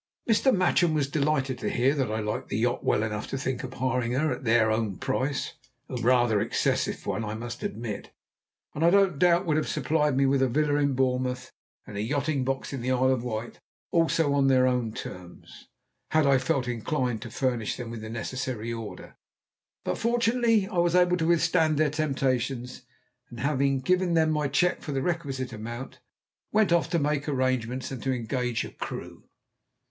Mr. Matchem was delighted to hear that I liked the yacht well enough to think of hiring her at their own price (a rather excessive one, I must admit), and, I don't doubt, would have supplied me with a villa in Bournemouth, and a yachting box in the Isle of Wight, also on their own terms, had I felt inclined to furnish them with the necessary order. But fortunately I was able to withstand their temptations, and having given them my cheque for the requisite amount, went off to make arrangements, and to engage a crew.